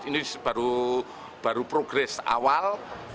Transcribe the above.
itu baru progres awal